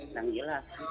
apa yang mau disampaikan